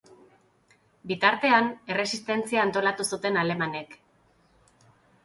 Bitartean, erresistentzia antolatu zuten alemanek.